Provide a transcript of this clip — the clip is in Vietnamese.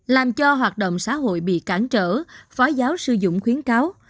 làm cho hoạt động xã hội bị cản trở phó giáo sư dũng khuyến cáo